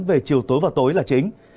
về chiều tối và tối là chính